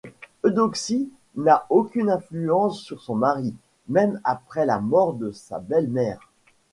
Eudoxie n'a aucune influence sur son mari, même après la mort de sa belle-mère.